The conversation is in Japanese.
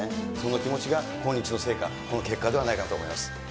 その気持ちが今日の成果、この結果ではないかと思います。